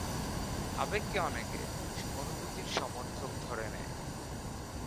আবেগকে অনেকে অনুভূতির সমার্থক ধরে নেয়।